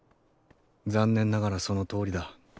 残念ながらそのとおりだ。